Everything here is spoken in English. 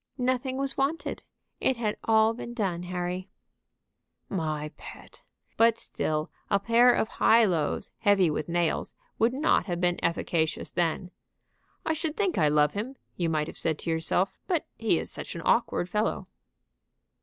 "Nothing was wanted; it had all been done, Harry." "My pet! But still a pair of high lows heavy with nails would not have been efficacious then. I should think I love him, you might have said to yourself, but he is such an awkward fellow."